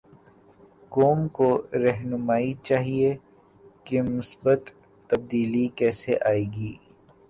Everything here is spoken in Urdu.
قوم کوراہنمائی چاہیے کہ مثبت تبدیلی کیسے آئے گی؟